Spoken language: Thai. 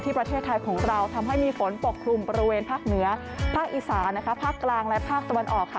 ประเทศไทยของเราทำให้มีฝนปกคลุมบริเวณภาคเหนือภาคอีสานนะคะภาคกลางและภาคตะวันออกค่ะ